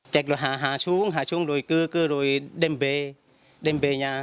chạy rồi hạ xuống hạ xuống rồi cư cư rồi đem về đem về nhà